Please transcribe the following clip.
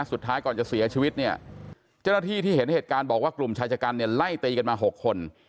สุดท้ายก่อนจะเสียชีวิตเนี่ยเจ้าหน้าที่ที่เห็นเหตุการณ์บอกว่ากลุ่มชายชะกันเนี่ยไล่ตีกันมา๖คน